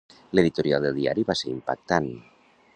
L'editorial del diari va ser impactant.